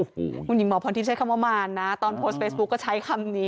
คุณหญิงหมอพรทิใช้คำว่ามารนะตอนโพสต์เฟซบุ๊คก็ใช้คำนี้